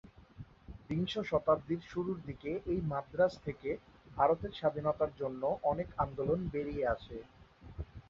বিংশ শতাব্দীর শুরুর দিকে এই মাদ্রাজ থেকে ভারতের স্বাধীনতার জন্য অনেক আন্দোলন বেরিয়ে আসে।